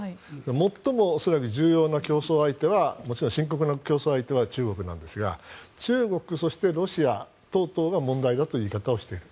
最も恐らく重要なもちろん深刻な競争相手は中国なんですが中国、ロシア等々が問題だという言い方をしている。